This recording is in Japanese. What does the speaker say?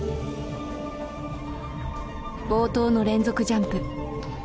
冒頭の連続ジャンプ。